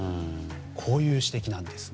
こういう指摘なんですね。